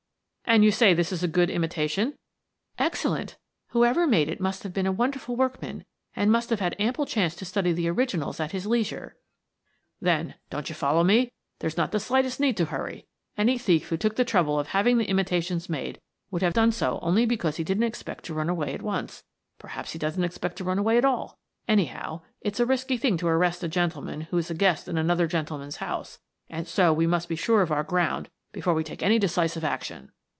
" And you say this is a good imitation? " Felony 39 " Excellent Whoever made it must have been a wonderful workman, and must have had ample chance to study the originals at his leisure." " Then — don't you follow me? — there's not the slightest need to hurry. Any thief who took the trouble of having the imitations made would have done so only because he didn't expect to run away at once. Perhaps he doesn't expect to run away at all. Anyhow, it's a risky thing to arrest a gentleman who's a guest in another gentleman's house, and so we must be sure of our ground before we take any decisive action."